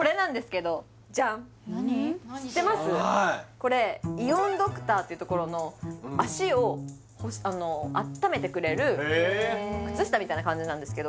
これ「イオンドクター」っていうところの足をあっためてくれる靴下みたいな感じなんですけど